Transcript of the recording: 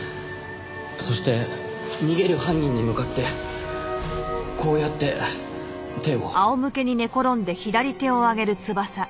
そして逃げる犯人に向かってこうやって手を。